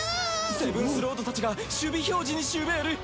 セブンスロードたちが守備表示にしゅべーる。